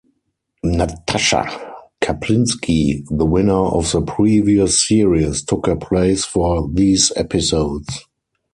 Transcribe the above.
Natasha Kaplinsky, the winner of the previous series, took her place for these episodes.